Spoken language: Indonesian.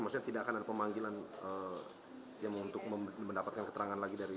maksudnya tidak akan ada pemanggilan yang untuk mendapatkan keterangan lagi dari